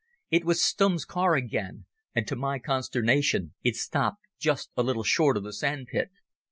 It was Stumm's car again and to my consternation it stopped just a little short of the sandpit.